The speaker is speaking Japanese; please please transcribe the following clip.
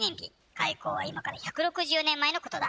開港は今から１６４年前のことだ。